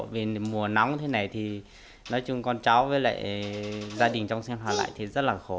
vì mùa nóng thế này thì nói chung con cháu với lại gia đình trong xem họ lại thì rất là khổ